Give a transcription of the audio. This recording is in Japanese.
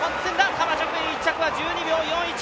カマチョクイン１着、１２秒４１。